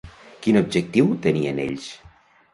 Quin objectiu tenien ells?